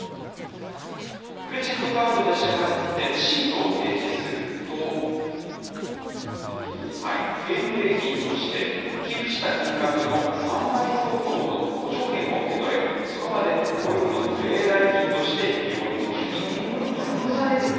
クレジットカードで支払ってレシートを提示すると、返礼品として、寄付した金額の３割相当の補助券を受け取れ、その場でゴルフのプレー代金として利用できるということなんです。